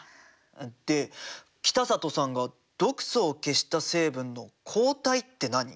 で北里さんが毒素を消した成分の「抗体」って何？